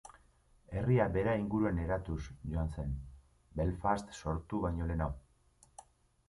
Herria bera inguruan eratuz joan zen, Belfast sortu baino lehenago.